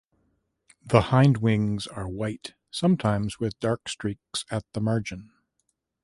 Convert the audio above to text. The hindwings are white, sometimes with dark streaks at the margin.